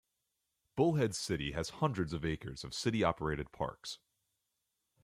Bullhead City has hundreds of acres of city-operated parks.